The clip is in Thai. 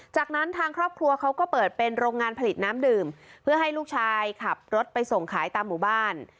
จากนั้นทางครอบครัวเขาก็เปิดเป็นโรงงานผลิตน้ำดื่มเพื่อให้ลูกชายขับรถไปส่งขายตามหมู่บ้าน